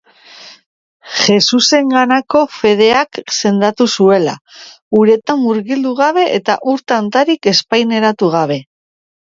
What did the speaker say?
Jesusenganako fedeak sendatu zuela, uretan murgildu gabe eta ur tantarik ezpainetaratu gabe!